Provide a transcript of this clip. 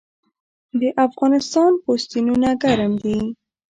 د افغانستان پوستینونه ګرم دي